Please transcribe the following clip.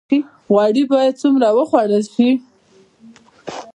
غوړي باید څومره وخوړل شي؟